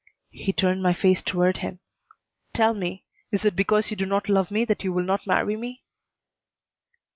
He turned my face toward him. "Tell me. Is it because you do not love me that you will not marry me?"